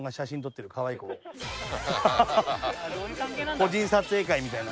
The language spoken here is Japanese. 個人撮影会みたいな。